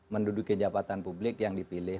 menduduki jabatan publik yang dipilih